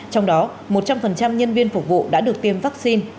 trong đó một trăm linh nhân viên phục vụ đã được tiêm vắc xin